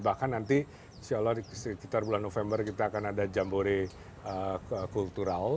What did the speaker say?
bahkan nanti insya allah sekitar bulan november kita akan ada jambore kultural